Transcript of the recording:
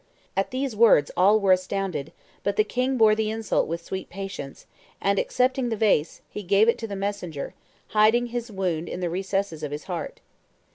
At these words all were astounded; but the king bore the insult with sweet patience, and, accepting the vase, he gave it to the messenger, hiding his wound in the recesses of his heart.